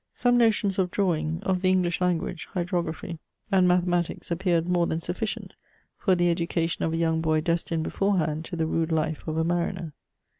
Some notions of drawing, of the English language, hydrography, and mathematics appeared more than sufficient for the education of a young boy, destined beforehand to the rude life of a mariner.